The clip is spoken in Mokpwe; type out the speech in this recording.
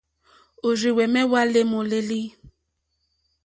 Òrzìhwɛ̀mɛ́ hwá lê môlélí.